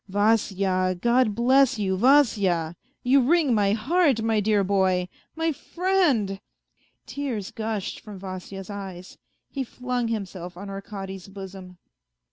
Vasya, God bless you, Vasya ! You wring my heart, my dear boy, my friend." Tears gushed from Vasya's eyes ; he flung himself on Arkady's bosom.